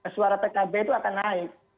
suara pkb itu akan naik